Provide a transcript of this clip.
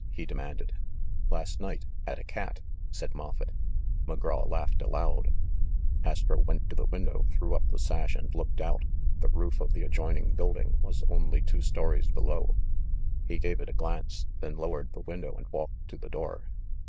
he demanded. "Last night— at a cat," said Moffett. McGraw laughed aloud. Astro went to the window, threw up the sash, and looked out. The roof of the adjoining building was THE M1DDLEBURY MURDER 389 only two stories below. He gave it a glance, then lowered the window and walked to the door.